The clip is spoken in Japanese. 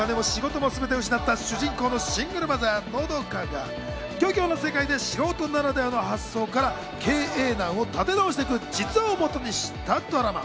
こちらは家もお金も仕事もすべて失った主人公のシングルマザー・和佳が漁業の世界で素人ならではの発想から経営難を立て直していく実話を基にしたドラマ。